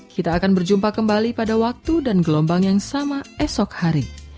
kita akan berjumpa kembali pada waktu dan gelombang yang sama esok hari